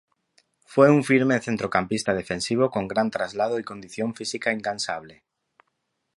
Fue un firme centrocampista defensivo con gran traslado y condición física incansable.